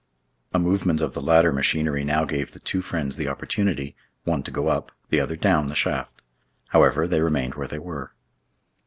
A movement of the ladder machinery now gave the two friends the opportunity—one to go up, the other down the shaft. However, they remained where they were.